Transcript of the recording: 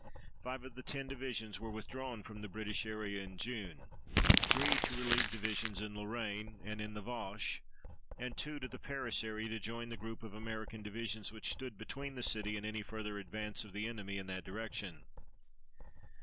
Five of the ten divisions were withdrawn from the British area in June, three to relieve divisions in Lorraine, and in the Vosges and two to the Paris area to join the group of American divisions which stood between the city and any further advance of the enemy in that direction.